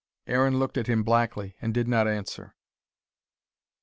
Aaron looked at him blackly, and did not answer.